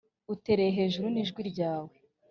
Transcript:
utere hejuru ni jwi ryawe